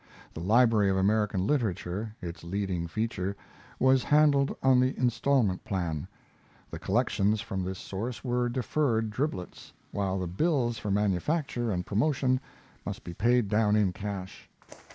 The Library of American Literature, its leading feature, was handled on the instalment plan. The collections from this source were deferred driblets, while the bills for manufacture and promotion must be paid down in cash.